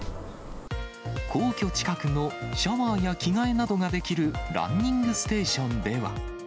皇居近くのシャワーや着替えなどができるランニングステーションでは。